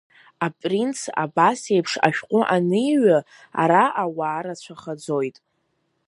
Апринц абасеиԥш ашәҟәы аниҩы, ара ауаа рацәахаӡоит.